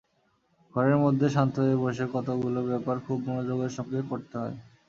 ঘরের মধ্যে শান্ত হয়ে বসে কতগুলো ব্যাপার খুব মনোযোগের সঙ্গে করতে হয়।